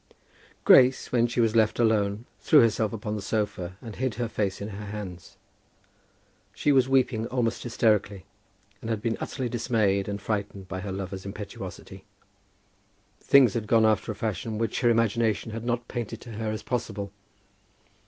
Grace, when she was left alone, threw herself upon the sofa, and hid her face in her hands. She was weeping almost hysterically, and had been utterly dismayed and frightened by her lover's impetuosity. Things had gone after a fashion which her imagination had not painted to her as possible.